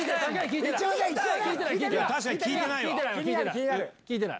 確かに聞いてない。